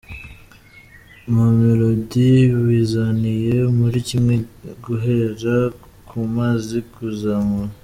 Mamelodi bizaniye buri kimwe guhera ku mazi kuzamura.